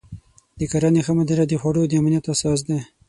د کرنې ښه مدیریت د خوړو د امنیت اساس دی.